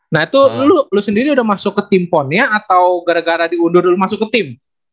nah itu lo sendiri udah masuk ke tim ponnya atau gara gara diundur dulu masuk ke tim